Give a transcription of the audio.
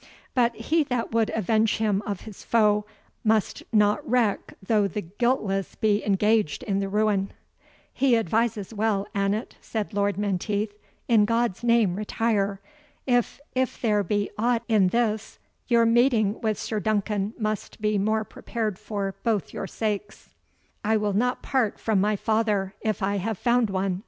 But he that would avenge him of his foe must not reck though the guiltless be engaged in the ruin." "He advises well, Annot," said Lord Menteith; "in God's name retire! if if there be aught in this, your meeting with Sir Duncan must be more prepared for both your sakes." "I will not part from my father, if I have found one!"